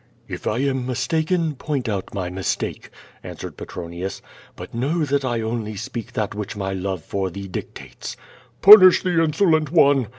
"If I am mistaken, point out my mistake," answered Petro nius. "But know that I only speak that which my love for thee dictates." "Punish the insolent one!"